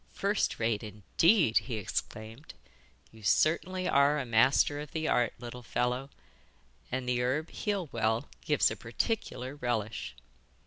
'First rate, indeed!' he exclaimed. 'You certainly are a master of the art, little fellow, and the herb heal well gives a particular relish.